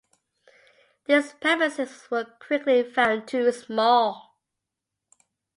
These premises were quickly found too small.